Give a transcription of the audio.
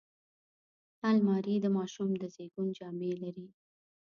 الماري د ماشوم د زیږون جامې لري